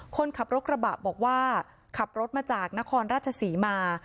คนขับรถกระบะบอกว่าขับรถมาจากนครราชศรีมา